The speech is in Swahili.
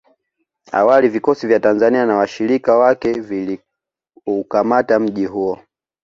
Awali vikosi vya Tanzania na washirika wake viliukamata mji huo